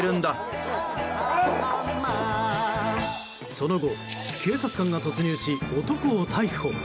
その後、警察官が突入し男を逮捕。